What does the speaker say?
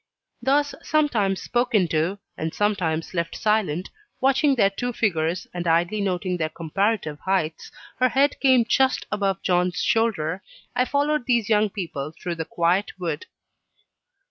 Thus, sometimes spoken to, and sometimes left silent, watching their two figures, and idly noting their comparative heights her head came just above John's shoulder I followed these young people through the quiet wood.